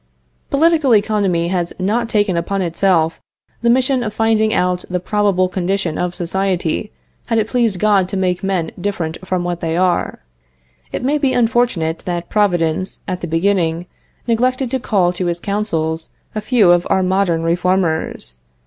Political economy has not taken upon itself the mission of finding out the probable condition of society had it pleased God to make men different from what they are. It may be unfortunate that Providence, at the beginning, neglected to call to his counsels a few of our modern reformers.